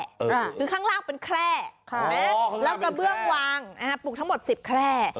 คือข้างล่างเป็นแคร่แล้วกระเบื้องวางปลูกทั้งหมด๑๐แคร่